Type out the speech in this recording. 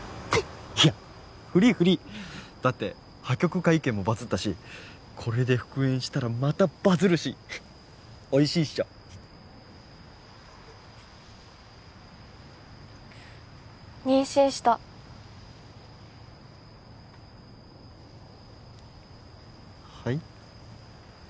いやフリフリだって破局会見もバズったしこれで復縁したらまたバズるしおいしいっしょ妊娠したはい？